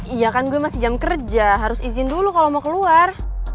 iya kan gue masih jam kerja harus izin dulu kalau mau keluar